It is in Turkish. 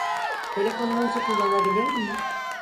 Telefonunuzu kullanabilir miyim?